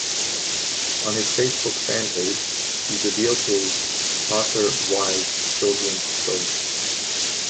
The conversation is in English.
On his Facebook fan page, he revealed his author wife's children's stories.